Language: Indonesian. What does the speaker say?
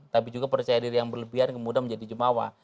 tapi juga percaya diri yang berlebihan kemudian menjadi jumawa